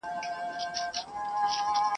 په خپله خر نه لري د بل پر آس خاندي ..